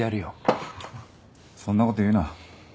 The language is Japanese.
そんなこと言うな。